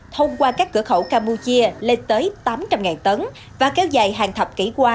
thông qua các cửa khẩu campuchia lên tới tám trăm linh tấn và kéo dài hàng thập kỷ qua